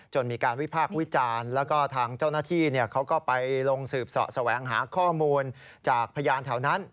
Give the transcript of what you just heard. มีการวิพากษ์วิจารณ์แล้วก็ทางเจ้าหน้าที่เขาก็ไปลงสืบเสาะแสวงหาข้อมูลจากพยานแถวนั้น